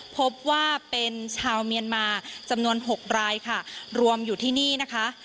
พบว่าเป็นชาวเมียนมาจำนวน๖รายค่ะรวมอยู่ที่นี่นะคะ